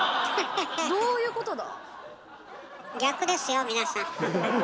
どういうことだ？